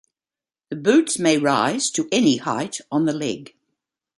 The boots may rise to any height on the leg.